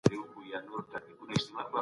د ژوند هیڅ اړخ په بشپړه توګه مه هېروئ.